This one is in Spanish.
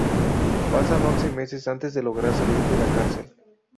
Pasan once meses antes de lograr salir de la cárcel.